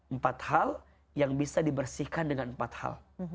empat hal yang bisa dibersihkan dengan empat hal